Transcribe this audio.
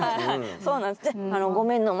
そうなんです。